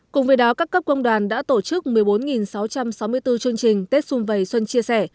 cùng với đó các cấp công đoàn đã tổ chức một mươi bốn sáu trăm sáu mươi bốn chương trình tết xuân vầy xuân chia sẻ